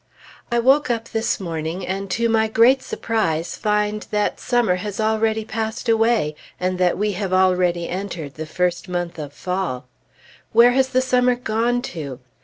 I woke up this morning and, to my great surprise, find that summer has already passed away, and that we have already entered the first month of fall. Where has the summer gone to?